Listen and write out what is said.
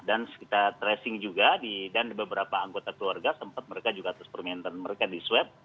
dan sekitar tracing juga dan beberapa anggota keluarga sempat mereka juga terus permintaan mereka di swab